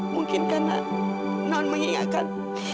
mungkin karena non mengingatkan